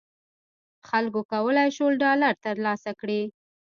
خلکو کولای شول ډالر تر لاسه کړي.